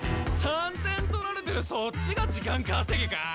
３点取られてるそっちが時間稼ぎか？